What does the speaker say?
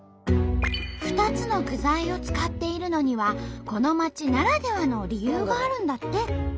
２つの具材を使っているのにはこの町ならではの理由があるんだって。